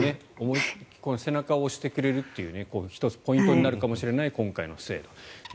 背中を押してくれるという１つポイントになるかもしれない今回の制度。